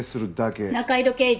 仲井戸刑事！